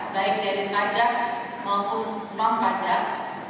baik dari pajak maupun non pajak